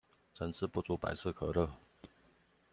成事不足百事可樂